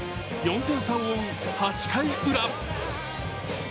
４点差を追う８回ウラ。